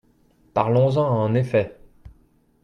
Parlons-en, en effet